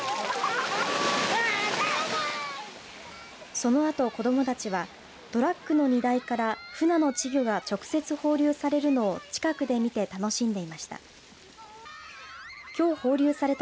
そのあと子どもたちはトラックの荷台からフナの稚魚が直接放流されるのを近くで見て楽しんでいました。